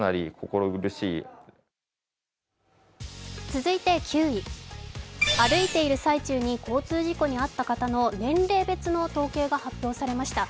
続いて９位、歩いている最中に交通事故に遭った方の年齢別の統計が発表されました。